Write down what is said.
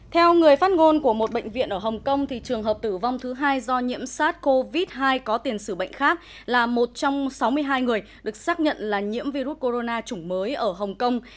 theo người phát ngôn của một bệnh viện ở hồng kông trường hợp tử vong thứ hai do nhiễm sars cov hai có tiền xử bệnh khác là một trong sáu mươi hai người được xác nhận là nhiễm virus corona chủng mới ở hồng kông